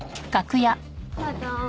どうぞ。